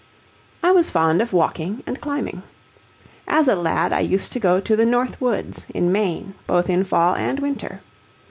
I was fond of walking and climbing. As a lad I used to go to the north woods, in Maine, both in fall and winter.